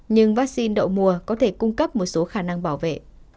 nhưng vaccine đậu mùa có thể cung cấp một số khả năng bảo vệ